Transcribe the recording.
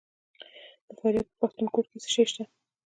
د فاریاب په پښتون کوټ کې څه شی شته؟